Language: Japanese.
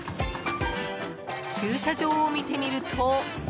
駐車場を見てみると。